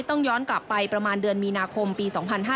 ต้องย้อนกลับไปประมาณเดือนมีนาคมปี๒๕๕๙